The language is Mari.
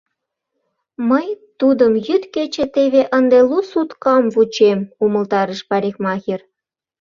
Мый тудым йӱд-кече теве ынде лу суткам вучем, — умылтарыш парикмахер.